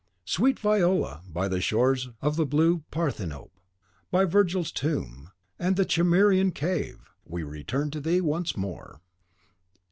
Sweet Viola, by the shores of the blue Parthenope, by Virgil's tomb, and the Cimmerian cavern, we return to thee once more.